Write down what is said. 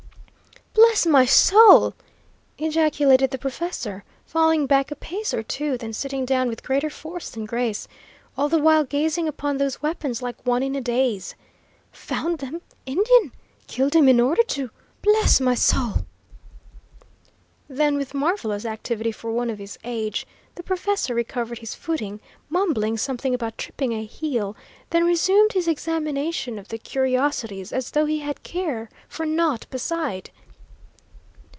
"Bless my soul!" ejaculated the professor, falling back a pace or two, then sitting down with greater force than grace, all the while gazing upon those weapons like one in a daze. "Found them Indian killed him in order to bless my soul!" Then, with marvellous activity for one of his age, the professor recovered his footing, mumbling something about tripping a heel, then resumed his examination of the curiosities as though he had care for naught beside.